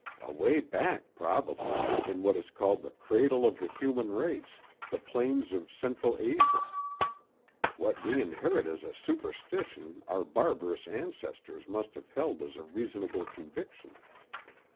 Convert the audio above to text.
Away back, probably, in what is called the cradle of the human race—the plains of Central Asia. What we inherit as a superstition our barbarous ancestors must have held as a reasonable conviction.